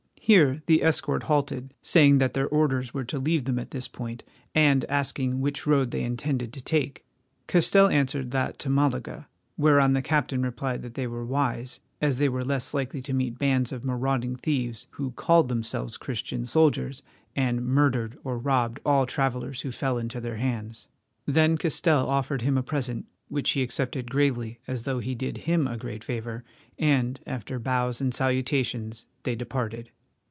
Here the escort halted, saying that their orders were to leave them at this point, and asking which road they intended to take. Castell answered that to Malaga, whereon the captain replied that they were wise, as they were less likely to meet bands of marauding thieves who called themselves Christian soldiers, and murdered or robbed all travellers who fell into their hands. Then Castell offered him a present, which he accepted gravely, as though he did him a great favour, and, after bows and salutations, they departed.